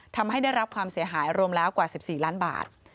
ทำให้ได้รับความเสียหายรวมแล้วกว่า๑๔ล้านบาท